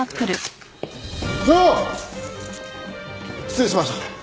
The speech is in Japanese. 失礼しました。